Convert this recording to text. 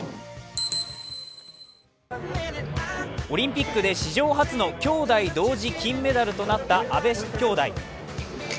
オリンピックで史上初のきょうだい同時金メダルとなった阿部きょうだい。